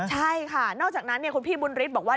ใช่ค่ะนอกจากนั้นคุณพี่บุญฤทธิ์บอกว่า